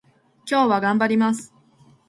今日は頑張ります